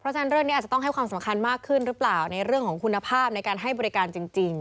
ฉะนั้นเรื่องนี้อาจจะต้องให้ความสำคัญมากขึ้นหรือเปล่าในเรื่องของคุณภาพในการให้บริการจริง